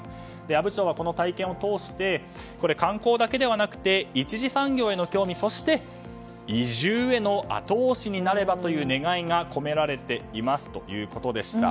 阿武町はこの体験を通して観光だけではなくて１次産業への興味そして移住への後押しになればという願いが込められていますということです。